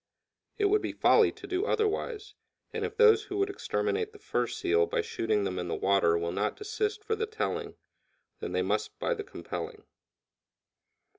It would be folly to do otherwise, and if those who would exterminate the fur seal by shooting them in the water will not desist for the telling, then they must by the compelling.